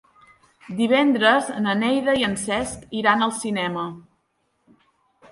Divendres na Neida i en Cesc iran al cinema.